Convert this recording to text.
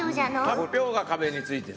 かんぴょうが壁についてた。